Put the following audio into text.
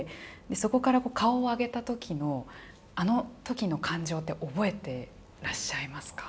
そこから顔を上げたときのあのときの感情って覚えていらっしゃいますか。